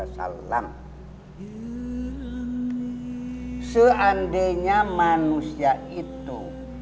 seandainya manusia itu